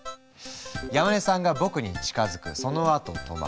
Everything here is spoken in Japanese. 山根さんが僕に近づくそのあと止まる。